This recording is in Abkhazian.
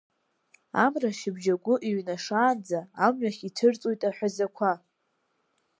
Амра шьыбжьагәы еиҩнашаанӡа, амҩахь ицәырҵуеит аҳәазақәа.